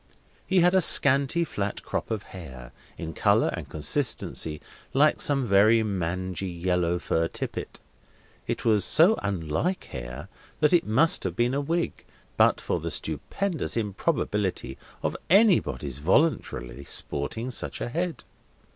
He had a scanty flat crop of hair, in colour and consistency like some very mangy yellow fur tippet; it was so unlike hair, that it must have been a wig, but for the stupendous improbability of anybody's voluntarily sporting such a head.